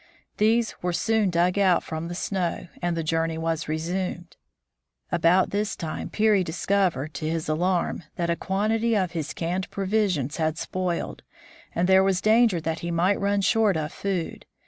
These were soon dug out from the snow, and the journey was resumed. About this time Peary discovered, to his alarm, that a quantity of his canned provisions had spoiled, and there was danger that he might run short of food.